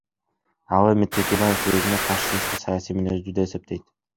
Ал эми Текебаев өзүнө каршы ишти саясий мүнөздүү деп эсептейт.